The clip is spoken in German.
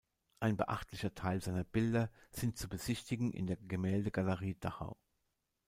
Ein beachtlicher Teil seiner Bilder sind zu besichtigen in der Gemäldegalerie Dachau.